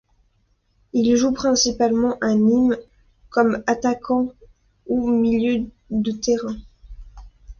Il joue principalement à Nîmes comme attaquant ou milieu de terrain.